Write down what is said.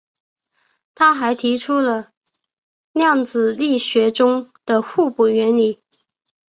他还提出量子力学中的互补原理。